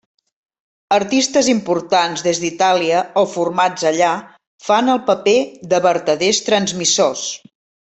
Artistes importats des d'Itàlia o formats allà, fan el paper de vertaders transmissors.